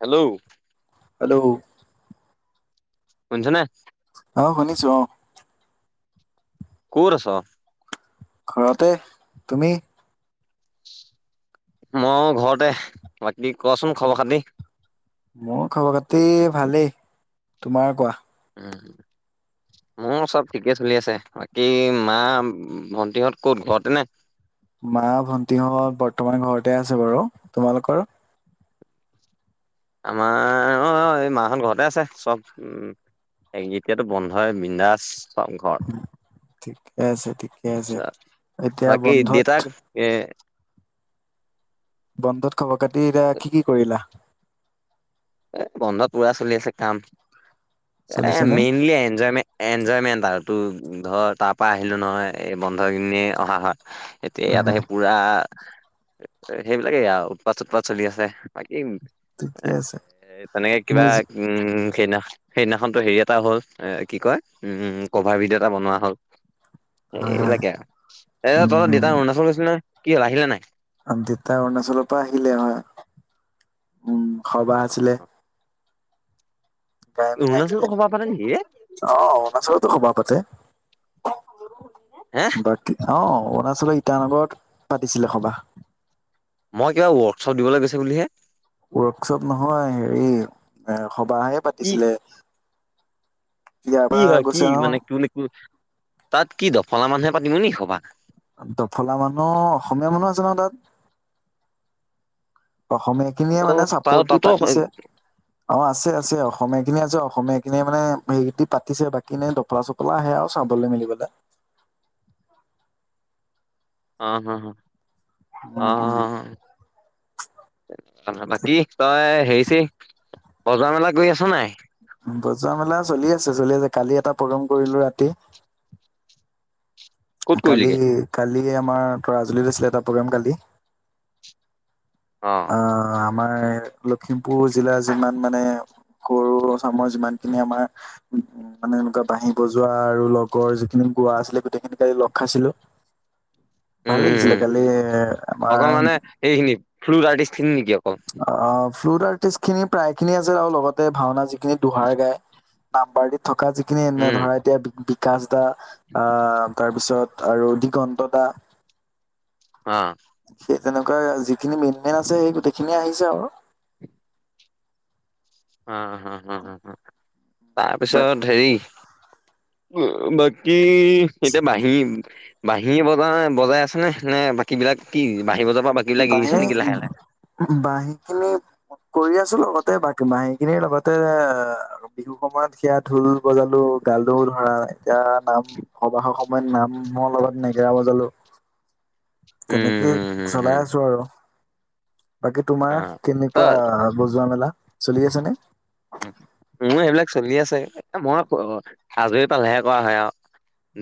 Hello. Hello! শুনিছানে? অ, শুনিছো, অ। ক'ত আছ? ঘৰতে। তুমি? মই ঘৰতে, বাকী, কচোন খবৰ-খাতি! মোৰ খবৰ-খাতি ভালেই! তোমাৰ কোৱা! উম। মোৰ চব ঠিকে চলি আছে। বাকী, মা-ভণ্টিহঁত ক'ত, ঘৰতে নে? মা-ভন্টি হঁত বৰ্তমান ঘৰতে আছে বাৰু! তোমালোকৰ? আমাৰ অ', অ', এই মাহঁত ঘৰতে আছে। চব, উম। এই এতিয়াতো বন্ধয়েই, বিন্দাচ চব ঘৰত। ঠিকে আছে, ঠিকে আছে। আচ্ছা! এতিয়া বাকী, বন্ধত দেতাক এ বন্ধত খবৰ-খাতি এতিয়া কি, কি কৰিলা? এ, বন্ধত পুৰা চলি আছে কাম! এ, চলিছেনে মেইনলি এনজয়মে এনজয়মেন্ট আৰু তোৰ ধৰ, তাৰ পৰা আহিলোঁ নহয়, এই বন্ধ কিদিনেই অহা হয়। এতিয়া ইয়াত হয় আহি পুৰা, সেইবিলাকে আৰু উৎপাত-চুৎপাত চলি আছে। বাকী ঠিকেই আছে। মানে কিবা মিউজি উম, সেইদিনা, সেইদিনাখনতো হেৰি এটা হ'ল, এ কি কয়, উম, ক'ভাৰ ভিডিঅ' এটা বনোৱা হ'ল। হয় হয় এইবিলাকে আৰু এ যে তহঁত দেতা উম অৰুণাচল গৈছিল নহয়, কি হ'ল, আহিলে নে নাই? দেতা অৰুণাচলৰ পৰা আহিলে, হয়! উম, অ সবাহ আছিলে। অ [unintelligible] আহিলে, অৰুণাচলতো সভা পাতে নেকি ৰে অ, অৰুণাচলতো সবাহ পাতে। হে বাকী অ', অৰুণাচলৰ ইটানগৰত পাতিছিলে সবাহ। মই কিবা ৱৰ্কশ্বপ দিবলৈ গৈছো বুলিহে! ৱৰ্কশ্বপ নহয়, হেৰি, এ, সবাহে কি পাতিছিলে। ইয়াৰ কি পৰা হয় কি? গৈছে মানে নহয় ত তাত কি দফলা মানুহে পাতিম নে সভা! দফলা মানুহ, অসমীয়া মানুহ আছে ন তাত, অসমীয়া! সেইখিনিয়ে অ মানে তাৰ চাপোৰ্ট দি তাতো পাতিছে। অ', আছে, আছে! অসমীয়া খিনিয় আছে অসমীয়াখিনিয়ি মানে হে পাতিছে বাকী ন দফলা চ [unintelligible] অ, অ, অ, অ, উম উম অ। বাকী, তই হেৰি- চেৰি বজা-মেলা কৰি আছ নে নাই! বজা-মেলা চলি আছে, চলি আছে! কালি এটা প্ৰগ্ৰেম কৰিলো ৰাতি। ক'ত কালি, কৰিলিগে কালি আমাৰ তৰাজুলীত আছিলে এটা প্ৰগ্ৰেম কালি। অ'। অ', আমাৰ লখিমপুৰ জিলাৰ, যিমান মানে সৰু চামৰ যিমানখিনি আমাৰ মানে এনেকুৱা বাঁহি বজোৱা আৰু লগৰ যিখিনি গোৱা আছিলে গোটেইখিনি কালি লগ খাইছিলো! [inaudible] উম ভাল উম উম লাগিছিলে। কালি আমাৰ অকল [unintelligible] [unintelligible] থকা যিখিনি এ, ধৰা, উম এতিয়া বিকাশ দা, আহ তাৰ ওচৰত আৰু দিগন্ত দা। অ'। সেই তেনেকুৱা যিখিনি মেইন, মেইন আছে সেই গোটেইখিনিয়ে আহিছে আৰু। হা, হা, হা তাৰ বাকী পিছত হেৰি উম, বাকি এতিয়া নাহিম। বাঁহীয়ে বজাই, বজাই আছে নে, নে বাকী বিলাক কি বাঁহী বজাৰ পৰা বাকীবিলাক বাঁহী লাহে, লাহে। বাঁহী খিনি কৰি আছোঁ, লগতে বাকী বাঁহী খিনিৰ লগতে বিহু সময়ত সেয়া ঢোল বজালো গালো ধৰা। এতিয়া নাম সবাহৰ সময়ত নামৰ লগত নেগেৰা বজালো। উম তেনেকেই হম হম চলাই হম আছোঁ আৰু। বাকী অ তোমাৰ ত কেনেকুৱা বজোৱা মেলা চলি আছে নে। মোৰ সেইবিলাক চলি আছে মই হাজৰি পালেহে কৰা হয় আৰু।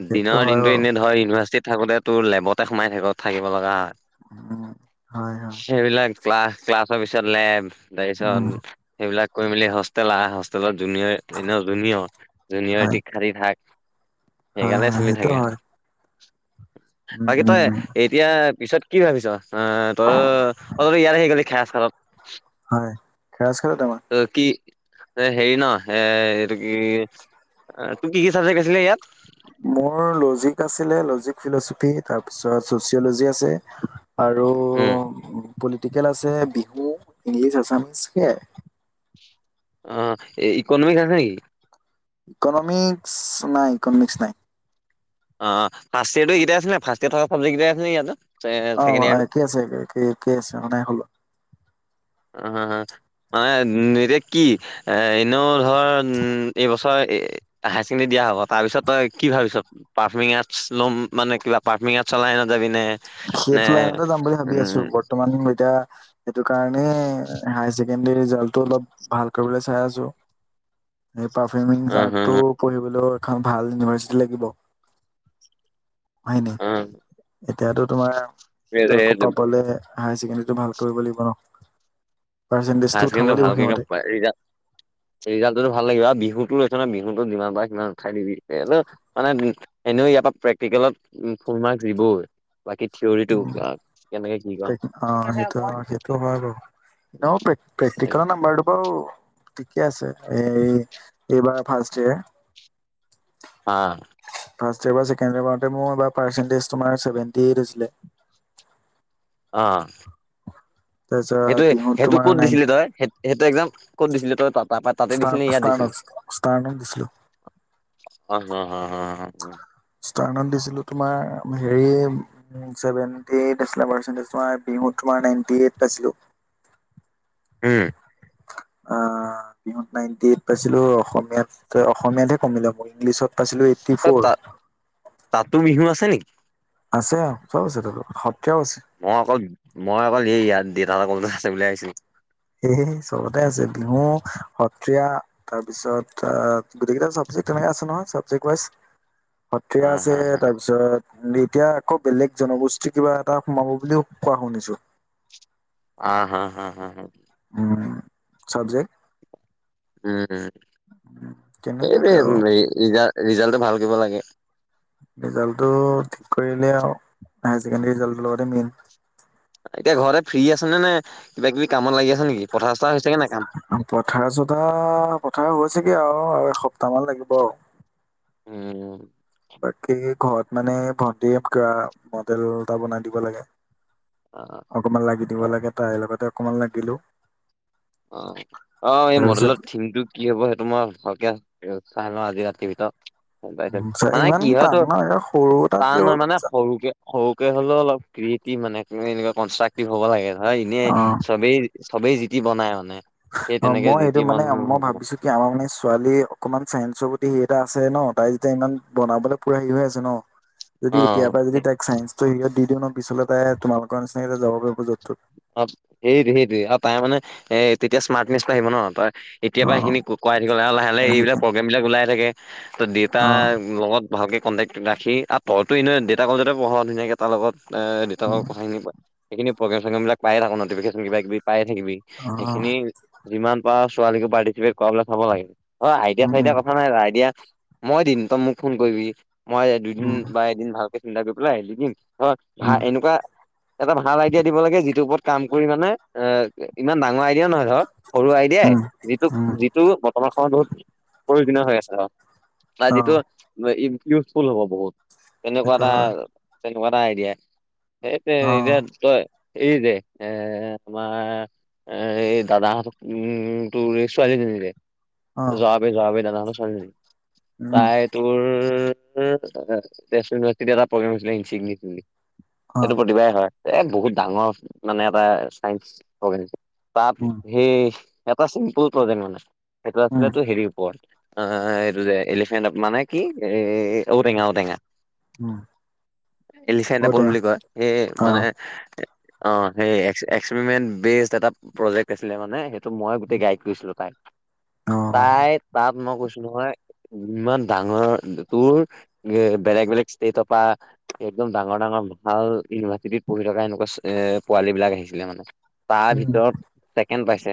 সেইটো দিনৰ হয় দিনতটো বাৰু এনেই ধৰ ইউনিভাৰ্চিটিত থাকোতে তোৰ লেবতে সোমাই থাক থাকিব লগা হয়। উম, হয়, হয়। সেইবিলাক ক্লা ক্লাছৰ পিছত লেব তাৰ উম পিছত সেইবিলাক কৰি মেলি হোষ্টেল হোষ্টেল আহ হোষ্টেলত জুনিয়ৰ, জুনিয়ৰ জুনিয়ৰ হয় টিক খাৰি থাক। হয় সেইকাৰণে হয় চলি সেইটো থাকে আৰু হয় উম বাকী উম তই উম এই এতিয়া পিছত কি ভাবিছ আহ তই ত ইয়াত আহি গলি খাই খালত হয় গাছ [unintelligible] খেলো তোমাৰ অ', কি এ হেৰি ন এ এইটো কি তোৰ কি, কি চাবজেক্ট আছিলে ইয়াত। মোৰ লজিক আছিলে লজিক ফিলচফি তাৰপিছত ছ'চিয়'লজি আছে। আৰু উম পলিটিকেল আছে বিহু ইংলিছ আছামিছ সেয়াই। অ', এই ইকনমিক্স আছে নেকি? ইকনমিক্স নাই ইকনমিক্স নাই। অ', ফাৰ্ষ্ট ইয়াৰটো এইেটা আছিলে ফাৰ্ষ্ট ইয়েৰ থকা চাবজেক্ট আছিলে ইয়াতে। অ', একে আছে একে, একে একেই আছে মানাই হলোঁ। উ মানে এতিয়া কি এ এনেও ধৰ এইবছৰ হায়াৰ ছেকেণ্ডেৰী দিয়া হ'ব তাৰ পিছতই কি ভাবিছ? পাৰ্মিংছ আৰ্টছ ল'ম মানে কিবা পাৰ্মিং আৰ্টছ লাইনত চলাই যাবি নে। নে সেইটো লাইনতে যাম বুলি ভাবি উম আছোঁ বৰ্তমান এতিয়া সেইটো কাৰণে হায় ছেকেণ্ডৰী ৰিজাল্টটো অলপ ভাল কৰিবলৈ চাই আছোঁ। এই পাৰফিউমিং অ হা আৰ্ডটো পঢ়িবলৈও এখন ভাল ইউনিভাৰ্চিটি লাগিব হয় নে। উম। তেতিয়াতো তোমাৰটো আকৌ সেইটো পাবলে হায়াৰ ছেকেণ্ডৰীটো ভাল কৰিব লাগিব ন। পাৰ্চেণ্টেজটো উঠাব লাগিব সেই মতে। ৰিজাল্টো ভাল লাগিব আৰু বিহুতো লৈছ নে বিহুতো যিমান পাৰে সিমান উঠাই দিবি মানে। এনেও ইয়াৰ পৰা প্ৰেক্টিকেলত ফুল মাৰ্ক দিবই। বাকী থিয়ৰিটো উম, কেনেকে কি তাকে। অ কয়। নও পে [unintelligible] প্ৰেক্টিকেলৰ নাম্বাৰটো বাৰু ঠিকে আছে, এই এইবাৰ ফাৰ্ষ্ট ইয়েৰ। অ'। ফাৰ্ষ্ট ইয়াৰ পঢ়া ছেকেণ্ড ইয়াৰ পঢ়োতে মোৰ পাৰ্চেন্টেজ তোমাৰ চেভেনতি এইঠ হৈছিলে। অ'। তাৰপিছত সেইটো বিহুত সেইটো তোমাৰ কত নাইন দিছিলে তই সেইটো এক্সজাম কত দিছিলে তই তাত, তাৰাপা তাতে ষ্টাৰ দিছিলি ইয়াত দিছিলি। ষ্টাৰ্ণত ষ্টাৰ্ণত দিছিলোঁ ষ্টাৰ্ণত দিছিলো তোমাৰ হেৰি চেভেনটি এইট আছিলে [unintelligible] নাইটি এইট পাইছিলো। [inaudible] অ বিহুত নাইনটি এইট পাইছিলো অসমীয়াত অসমীয়াতহে কমিলে মোৰ ইংলিছত, পাইছিলোঁ এইটটি অ ফ'ৰ তাত তাতো বিহু আছে নেকি। আছে আৰু চব আছে ত সত্ৰীয়াও আছে। মই অকল মই অকল এই ইয়াত দেউতাৰ লগৰ আছে বুলি আহিছিলো। সেয়ে চবতে আছে বিহু সত্ৰীয়া, তাৰপিছত গোটেইকেইটা চাবজেক্ট তেনে আছে নহয় চাবজেক্ট ৱাইজ, সত্ৰীয়া হা হা আছে হা তাৰপিছত, দি এতিয়া আকৌ বেলেগ জনগোষ্ঠী কিবা এটা সোমাব বুলিও কোৱা শুনিছো। আ হা হা হা হা, উম চাবজেক্ট, উম উম তেনেকুৱাকে সেইটোৱে আৰু ৰিজাল্টটো ভাল কৰিব লাগে। ৰিজাল্টটো ঠিক কৰিলে আৰু হাই ছেকেণ্ডেৰী ৰিজাল্টটোৰ লগতে মেইন। এতিয়া ঘৰতে ফ্ৰী আছে নে নাই কিবা কিবি কামত লাগি আছে নেকি পথাৰ চথাৰ হৈছেগে নাই কাম। পথাৰ চতা পথাৰ হৈছেগে আৰু এসপ্তাহ মান লাগিব আৰু উম বাকী ঘৰত মানে ভণ্টিক মডেল এটা বনাই দিব লাগে। অ অকমান লাগি দিব অ লাগে তাই লগতে অকমান লাগিলো। অ অ এই তাৰপিছত মডেলৰ থিম টো কি হব সেইটো মই ভালকে উ চাহ লওঁ আজি ৰাতিৰ ভিতৰত। উ মানে ইমান টান কিহতো ন এ সৰু এটা টান দিলেও মানে যা- সৰুকে, সৰুকে হলেও অলপ ক্ৰিয়েটিভ মানে এনেকুৱা কনষ্ট্ৰাক্টিভ হব লাগে নয় এনেই অ চবেই, চবেই জিতি বনাই মানে। সেই অ তেনেকে মই যি টি এইটো বন মানে মই নহ'ব ভাবিছোঁ, কি আমাৰ মানে ছোৱালী অকমান চায়েন্সৰ প্ৰতি সেই এটা আছে ন তাই যেতিয়া ইমান বনাবলৈ পুৰা হেৰি হৈ আছে ন। [unintelligible] যদি এতিয় পৰা যদি তাইক ছাইন্সতটো হিৰৰিত দিওঁ ন পিছলে তাই তোমালোকৰ নিচিনাকে যাব পাৰিব য'ত তত। অ সেইটো সেইৰি আৰু তাই মানে এ তেতিয়া স্মাৰ্টনেচ আহিব ন তাৰ কেতিয়া অ পৰা সেইখিনি ক কৰাই থাকিব লাগে আৰু লাহে লাহে এইবিলাক সেইকাৰণে প্ৰগ্ৰেম বিলাক ওলাই থাকে ত অ দেউতাৰ লগত। ভালকৈ কণ্টেক্ট ৰাখি আৰু তইতোনে দেউতাকৰ [unintelligible] পঢ়া ধুনীয়াকৈ তাৰ লগত উম, কথাখিনি সেইখিনি প্ৰগ্ৰেম ম্ৰগ্ৰেম পায় নোটিফিকিশন কিবা কিবি পাই থাকিবি অ সেইখিনি, যিমান পাৰ ছোৱালীকো পাৰ্টিচিপেট কৰা চাব লাগে অ আইডিয়া উম চাইডিয়া উম কথা নাই আইডিয়া, মই দিম তই মোক ফোন কৰিবি মই দুদিন উম বা এদিন ভালকে চিন্তা কৰি পেলাই আহ দি দিম। হয় ভা উম এনেকুৱা এটা ভাল আইডিয়া দিব লাগে যি ইৰত কাম কৰি মানে এ ইমান ডাঙৰ আইডিয়া নহয় ধৰ সৰু আইডিয়াই উম যিটো উম টো বৰ্তমান সময়ত বহুত প্ৰয়োজনীয় হৈ আছে আৰু অ যিটো। ইউজফুল হ'ব বহুত তেনেকুৱা সেইটো হয় এটা তেনেকুৱা এটা আইডিয়া। সেইটোৱে অ এতিয়া তই এই জে এ তোমাৰ এ এই দাদাহঁত উম তোৰ এই ছোৱালীজনি যে। অ [unintelligible] উম তাই, তোৰ এটা প্ৰগ্ৰেম হৈছিল। অ সেইটো প্ৰতিভায় হয় এ বহুত ডাঙৰ মানে এটা চাইন্স। তাত উম সেই এটা চিম্পুল প্ৰজেট মানে সেইটো উম আছিলো হেৰি ওপৰত। অ এইটো যে এলিফেণ্ট মানে কি এ ঔটেঙা ঔটেঙা। উম এলিচেণ্টাপল ঔটেঙা বুলি কয় সেই অ মানে। অ সেই এক্সপেৰিমেণ্ট বেষ্ট এটা প্ৰজেক্ট আছিলে মানে সেইটো। মই গোটেই উম, গায়ক লৈছিলোঁ তাই অ তাই তাত মই কৈছোঁ নহয়। ইমান ডাঙৰ তোৰ বেলেগ বেলেগ ষ্টেটৰ পৰা। একদম ডাঙৰ ডাঙৰ মাল ইউনিভাৰ্চিটিত পঢ়ি থকা এনেকুৱা। এ পোৱালী বিলাক আহিছিলে মানে তাৰ উম ভিতৰত ছেকেণ্ড পাইছে।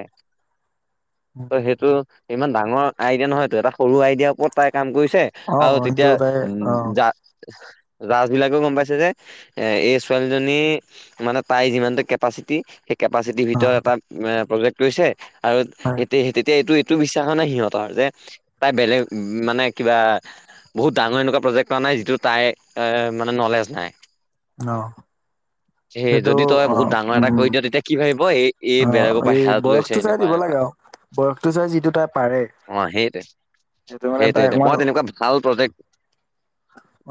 ত সেইটো অ ইমান ডাঙৰ আইডিয়া নহয় তটো এটা সৰু আইডিয়াৰ ওপৰত তাই কাম কৰিছে। আৰু সেইটো তেতিয়া সদায় উম অ যা। জাষ্ট বিলাকেও গম পাইছে যে এ এই ছোৱালীজনী মানে। প্ৰাই যিমানটো কেপাচিটি সেই কেপাচিটিৰ অ ভিতৰত এটা প্ৰজেক্ট লৈছে। আৰু হয় এতিয়া তেতিয়া এইটোৱে। এইটো বিশ্বাস নে সিহঁতৰ যে তাই বেলেগ মানে কিবা। বহুত ডাঙৰ এনেকুৱা প্ৰজেক্ট কৰা নাই যিটো তাই অ মানে নলেজ নাই। অ সেই যে। টো যদি তই অ বহুত ডাঙৰ উ এটা কৰি দিয় তেতিয়া কি ভাবিব এই এই অ বেলেগৰ পৰা এই হেল্প লৈছে বয়সটো চাই এনেকুৱা দিব এনেকুৱা লাগে আও। বয়সটো চাই যিটো তাই পাৰে। অ সেইটোৱে। মানে সেইটো তাই সেই অকমান মই তেনেকুৱা ভাল প্ৰজেক্ট।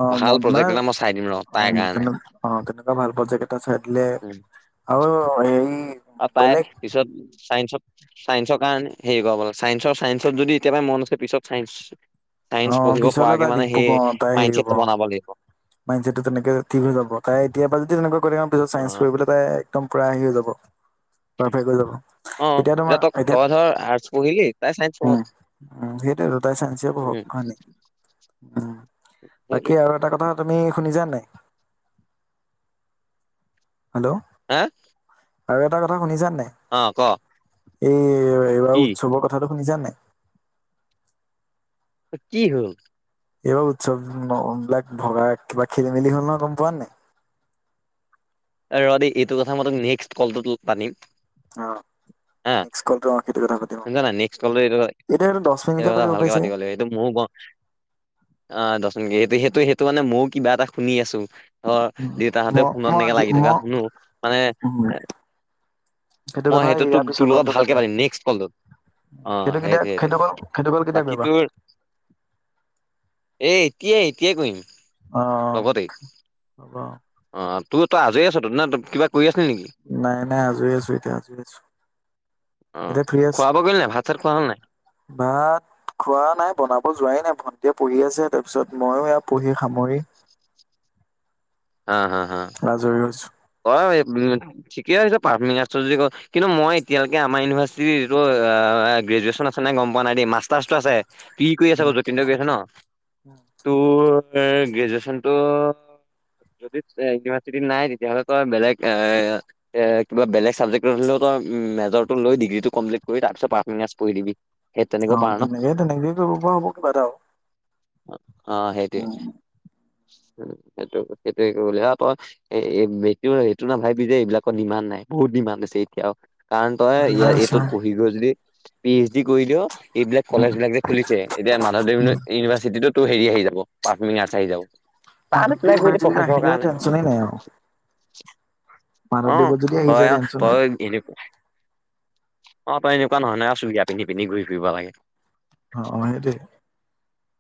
অ ভাল মন প্ৰজেক্ট মানে এটা মই চাই দিম ৰ' অ তাইৰ তেনে কাৰণে। অ তেনেকুৱা ভাল প্ৰজেক্টটা চাই দিলে, অ সেই। অ তাই পিছত চাইঞ্চত। চাইঞ্চৰ কাৰণে, হেৰি হেৰি পাব চাইন্সৰ চাইঞ্চত যদি এতিয়াৰপৰা মন আছে পিছত চাইঞ্চ। অ, পিছলে তাই দি হ'ব, অ তাই হেৰি হ'ব। মাইণ্ডছেটটো বনাব লাগিব অ মাইনছেটটো তেনেকে ঠিক হৈ যাব। তাই এতিয়াপা যদি তেনেকৈ কৰে আৰু পিছত চাইঞ্চ পঢ়িবলৈ তাই একদম পুৰা হেৰি হৈ যাব, পাৰফেক্ হৈ যাব। অ এতিয়া তোমাৰ তই এতিয়া তই ধৰ আৰ্টচ পঢ়িলি তাই চাইন্স উম পঢ়ক উ সেইটো দুটাই চাইঞ্চিয়ে পঢ়ক। উম হয় নেকি? উম, বাকী সেইটোৱে আৰু এটা কথা তুমি শুনিছা নে নাই? হেল্ল'! হা! আৰু এটা কথা শুনিছা নে নাই? অ, ক! এই এইবাৰ কি উৎসৱৰ কথাটো শুনিছা নে নাই? কি হ'ল? এইবাৰ উৎসৱ ম বিলাক ভগা কিবা খেলি মেলি হ'ল ন, গম পোৱানে নাই? এ ৰ' দেই, এইটো কথা মই তোক নেক্সট কলটোটোত পানিম। অ নেক্স কলটো অ সেইটো কথা পাতিম অ। শুনিছ নাই নেক্সট কলটো এইটো আৰু দহ মিনিটকে পাতিব পাৰিছে। এই টো ম ও গ আ দশন সেইটো সেইটো মানে মইও কিবা এটা শুনি আছোঁ। অ, উম, দেউতাহঁতেও মই ফোনত মই এনেকে আজি লাগি থকা মই শুনো। মানে উম, এ মই কথা সেইটো তোক, ইয়াৰ তোৰ পিছৰ লগত কলটো ভালকে পাতিম নেক্স কলটোত। অ সেইটো কেতিয়া সেইটোৱে সেইটো কল টোৱে। সেইটো কল কেতিয়া বাকী কৰিবা? তোৰ এ এতিয়াই এতিয়াই কৰিম। অ', লগতেই, হ'ব। অ', তোৰ তই আজৰি আছোতো, নে তই কিবা কৰি আছিলি নেকি? নাই, নাই, আজৰি আছোঁ এতিয়া, আজৰি আছোঁ। অ', খোৱা-বোৱা কৰিলি নাই, ভাত-চাত খোৱা হ'ল নাই? ভাত খোৱা নাই, বনাব যোৱাই নাই, ভণ্টিয়ে পঢ়ি আছে, তাৰপিছত মইয়ো এয়া পঢ়ি সামৰি। হা হা হা। আজৰি হৈছোঁ। অ, এক দুই মিনিট, ঠিকে আছে পাঁচ মিনিট আছে যদি ক'। কিন্তু মই এতিয়ালৈকে আমাৰ ইউনিভাৰ্চিটিৰটো আ, গ্ৰেজুৱেশন আছে নাই গম পোৱা নাই দেই, মাষ্টাৰ্চটো আছে। ই কৰি আছে আক', যতিন হঁ‌তে কৰি আছা ন? তোৰ এ গ্ৰেজুৱেশনটো যদি ইউনিভাৰ্চিটিত নাই, তেতিয়াহ'লে তই বেলেগ এ এ কিবা বেলেগ ছাবজেক্টত হ'লেও মেজৰটো লৈ ডিগ্ৰীটো কমপ্লিট কৰি, তাৰপিছত পাৰ্ফমিং আৰ্টছ পঢ়ি দিবি। সেই তেনেকৈ অ, পাৰ ন তেনেকে তেনেকে কৰিব পৰা হ'ব কিবা এটা আও। অ', সেইটোৱে, সেইটো সেইটো কৰিব লাগিব আ তই এ-এব বিটো সেইটো নাভাবিবি যে এইবিলাকৰ ডিমাণ্ড নাই, বহুত ডিমাণ্ড আছে এতিয়াওঁ। কাৰণ তই ইয়াত যিমান চা এইটোত পঢ়ি গৈ যদি পি এইচ ডি কৰি দিয়, এইবিলাক কলেজবিলাক যে খুলিছে, এতিয়া মাধৱদেৱ ইউনি--ইউনিভাৰ্চিটিটোত তোএ হেৰি আহি যাব, পাৰ্ফমিং আৰ্টছ আহি যাব, তাত মাধৱদেৱ এপ্লাই কৰি দে। ইউনিভাৰ্চিটিলৈ আহিলে টেনচনেই নাই আৰু। অ', মাধৱদেৱত যদি আহি তই যায় আৰু টেনচন নাই তই এনেকুৱা অ', তই এনেকুৱা নহয় নহয় আৰু চুৰিয়া পিন্ধি-চিন্ধি ঘুৰি ফুৰিব লাগে। অ', সেইটোৱে।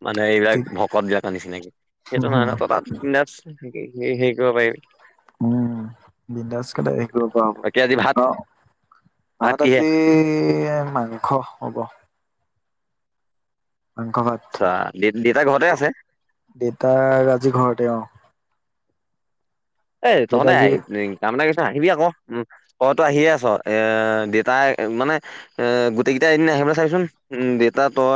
মানে এইবিলাক ঠিক ভকতবিলাকৰ নিচিনাকে, সেইটো নহয় নহয় তই তাত বিন্দাছ এনকে হে-হেৰি কৰিব পাৰিবি। উম, বিন্দাসকে তই হেৰি কৰিব পৰা বাকী আজি ভাত হ'ব। অ'। ভাত আজি, মাংস হ'ব। মাংস ভাত। আচ্ছা, দেত-দেতা ঘৰতে আছে? দেতা, আজি ঘৰতে অ'। এ দেউতা তহঁ‌তে আজি [unintelligible] কাম এটা কৰিবিছোন আহিবি আকৌ, উম তইটো আহিয়ে আছ, এ দেউতাই মানে অ', গোটেই কেইটা এদিন আহিব চাবিচোন। উম দেউতা, তই